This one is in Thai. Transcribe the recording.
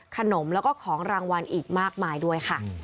ขนมแล้วก็ของรางวัลอีกมากมายด้วยค่ะ